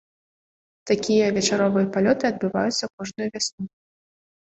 Такія вечаровыя палёты адбываюцца кожную вясну.